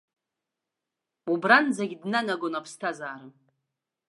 Убранӡагь днанагон аԥсҭазаара.